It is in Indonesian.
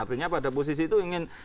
artinya pada posisi itu ingin